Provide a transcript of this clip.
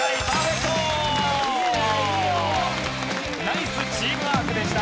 ナイスチームワークでした。